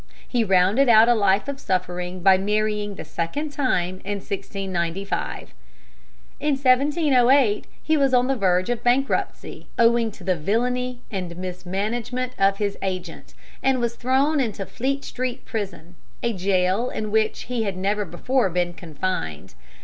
He rounded out a life of suffering by marrying the second time in 1695. In 1708 he was on the verge of bankruptcy, owing to the villany and mismanagement of his agent, and was thrown into Fleet Street Prison, a jail in which he had never before been confined.